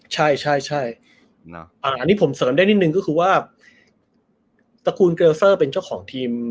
ใช่ใช่อันนี้ผมเสริมได้นิดนึงก็คือว่าตระกูลเกลเซอร์เป็นเจ้าของทีม